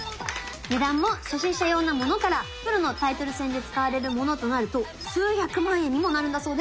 値段も初心者用のものからプロのタイトル戦で使われるものとなると数百万円にもなるんだそうです！